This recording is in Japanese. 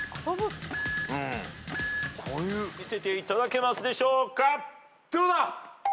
見せていただけますでしょうか？